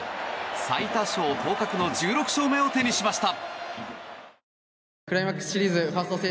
最多勝当確の１６勝目を手にしました。